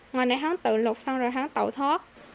ngoài này hắn tự lục xong rồi hắn tẩu thoát